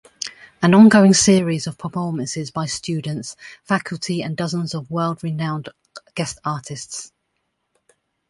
An ongoing series of performances by students, faculty and dozens of world-renowned guest artists.